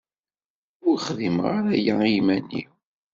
Ur xdimeɣ ara aya i yiman-iw.